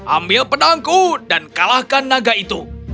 ambil pedangku dan kalahkan naga itu